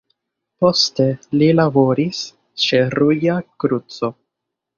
Poste li laboris ĉe Ruĝa Kruco.